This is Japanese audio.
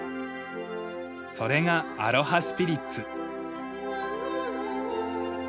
それがアロハ・スピリッツ。